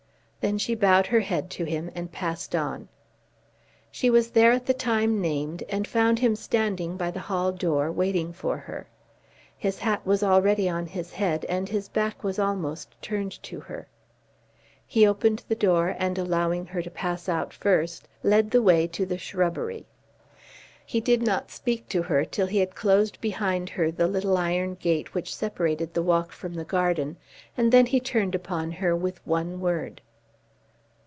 Then she bowed her head to him and passed on. She was there at the time named and found him standing by the hall door, waiting for her. His hat was already on his head and his back was almost turned to her. He opened the door, and, allowing her to pass out first, led the way to the shrubbery. He did not speak to her till he had closed behind her the little iron gate which separated the walk from the garden, and then he turned upon her with one word.